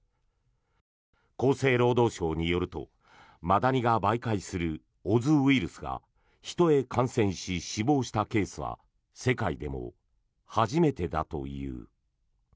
厚生労働省によるとマダニが媒介するオズウイルスが人へ感染し死亡したケースは世界でも初めてだという。